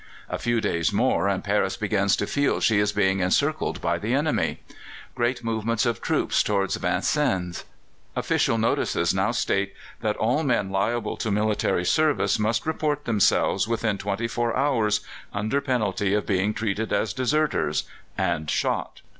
A few days more, and Paris begins to feel she is being encircled by the enemy. Great movement of troops towards Vincennes. Official notices now state that all men liable to military service must report themselves within twenty four hours, under penalty of being treated as deserters and shot.